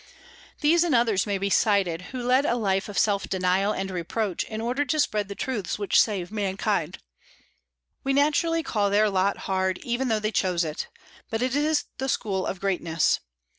These and others may be cited, who led a life of self denial and reproach in order to spread the truths which save mankind. We naturally call their lot hard, even though they chose it; but it is the school of greatness.